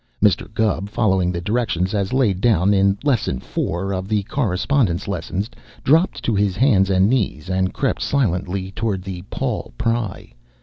Mr. Gubb, following the directions as laid down in Lesson Four of the Correspondence Lessons, dropped to his hands and knees and crept silently toward the "Paul Pry."